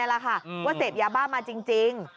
ว่าเสบยาบ้ามาจริง